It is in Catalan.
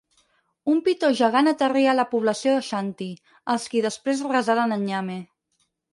Un pitó gegant aterrí a la població aixanti, els qui després resaren a Nyame.